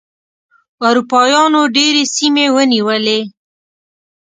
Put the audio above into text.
اروپایانو ډېرې سیمې ونیولې.